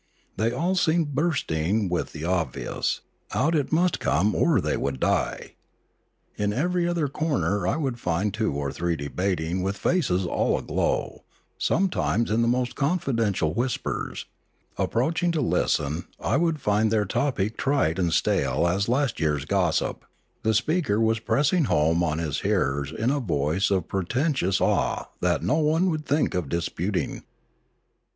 They all seemed bursting with the obvious; out it must come or they would die. In every other corner I would find two or three debating with faces all aglow, sometimes in the most confidential whispers; approaching to listen, I would find their topic trite and stale as last year's gossip; the speaker was pressing home on his hearers in a voice of por tentous awe what no one would think of disputing.